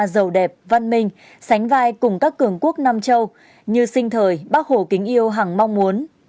giàu đẹp văn minh sánh vai cùng các cường quốc nam châu như sinh thời bác hồ kính yêu hẳng mong muốn